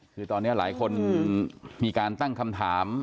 คือตอนนี้หลายคนมีการตั้งคำถาม